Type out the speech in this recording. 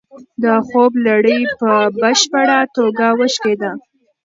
د خوب لړۍ په بشپړه توګه وشکېده.